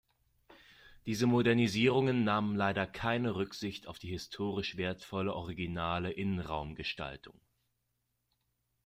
Diese Modernisierungen nahmen leider keine Rücksicht auf die historisch wertvolle originale Innenraumgestaltung.